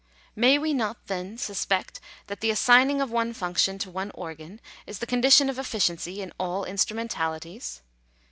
May we not, then, suspect that the assigning of one function to one organ, is the condition of efficiency in all instrumentali ties